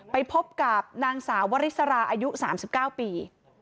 ไปพบกับนางสาววริสราอายุสามสิบเก้าปี